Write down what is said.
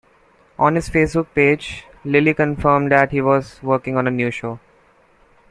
On his Facebook page, Lilley confirmed that he was working on a new show.